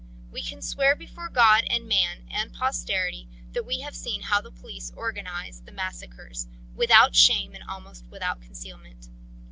We can swear before God and man and posterity that we have seen how the police organise the massacres, without shame and almost without concealment.